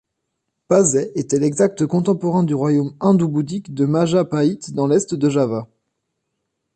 Pasai était l'exact contemporain du royaume hindou-bouddhique de Majapahit dans l'est de Java.